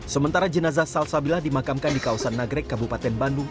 sementara jenazah salsabilah dimakamkan di kawasan nagrek kabupaten bandung